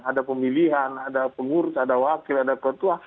ada pemilihan ada pengurus ada wakil ada ketua